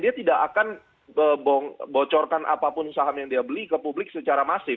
dia tidak akan bocorkan apapun saham yang dia beli ke publik secara masif